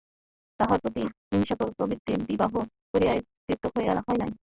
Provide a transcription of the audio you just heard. তাহার প্রতিহিংসাপ্রবৃত্তি বিবাহ করিয়াই তৃপ্ত হয় নাই।